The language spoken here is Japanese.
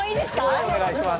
はい、お願いします。